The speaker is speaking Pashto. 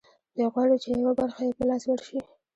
دوی غواړي چې یوه برخه یې په لاس ورشي